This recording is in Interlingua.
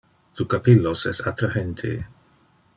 Tu capillos es attrahente.